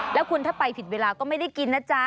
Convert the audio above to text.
แล้วคุณถ้าไปผิดเวลาก็ไม่ได้กินนะจ๊ะ